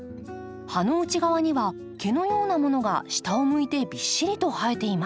葉の内側には毛のようなものが下を向いてびっしりと生えています。